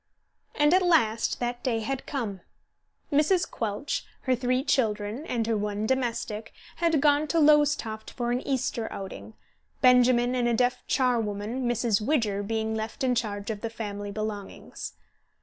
And at last that day had come. Mrs. Quelch, her three children and her one domestic, had gone to Lowestoft for an Easter outing, Benjamin and a deaf charwoman, Mrs. Widger, being left in charge of the family belongings.